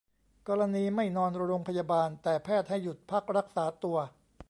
กรณีไม่นอนโรงพยาบาล แต่แพทย์ให้หยุดพักรักษาตัว